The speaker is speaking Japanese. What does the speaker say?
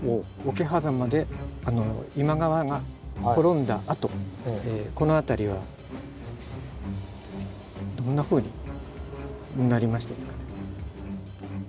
桶狭間で今川が滅んだあとこの辺りはどんなふうになりましたですか？